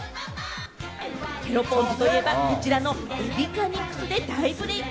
ケロポンズといえば、こちらの『エビカニクス』で大ブレーク。